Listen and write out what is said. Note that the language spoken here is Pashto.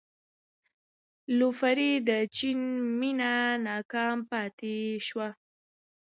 لفروی د جین مینه ناکام پاتې شوه.